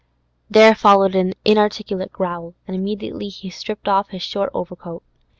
There followed an inarticulate growl, and immediately he stripped off his short overcoat.